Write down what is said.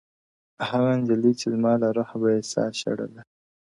هغي نجلۍ چي زما له روحه به یې ساه شړله”